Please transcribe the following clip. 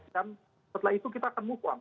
dan setelah itu kita akan move on